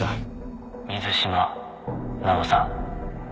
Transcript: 水島奈緒さん